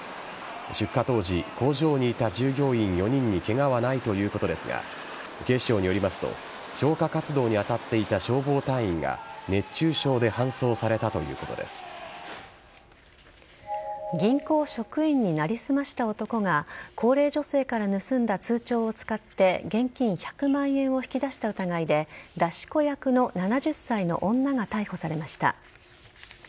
出火当時工場にいた従業員４人にケガはないということですが警視庁によりますと消火活動に当たっていた消防隊員が熱中症で銀行職員に成り済ました男が高齢女性から盗んだ通帳を使って現金１００万円を引き出した疑いで出し子役の７０歳の女が逮捕されました。